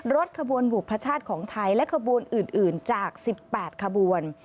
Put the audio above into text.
รถขบวนบุพชาติของไทยและขบวนอื่นจาก๑๘ขบวน